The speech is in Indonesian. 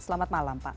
selamat malam pak